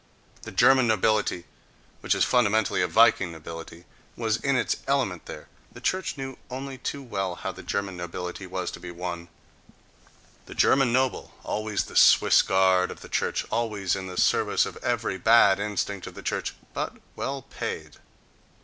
The German nobility, which is fundamentally a Viking nobility, was in its element there: the church knew only too well how the German nobility was to be won.... The German noble, always the "Swiss guard" of the church, always in the service of every bad instinct of the church—but well paid....